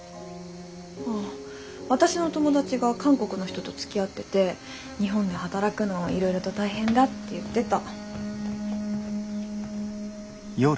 あ私の友達が韓国の人とつきあってて日本で働くのいろいろと大変だって言ってた。